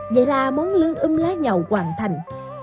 vậy là món lương ưm lá nhầu hoàn thành